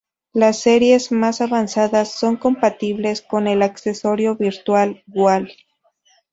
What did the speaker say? Las series más avanzadas son compatibles con el accesorio Virtual Wall.